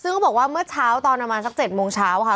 ซึ่งเขาบอกว่าเมื่อเช้าตอนประมาณสัก๗โมงเช้าค่ะ